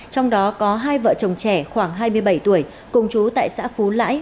trong đó có hai vợ chồng trẻ khoảng hai mươi bảy tuổi cùng chú tại xã phú lãi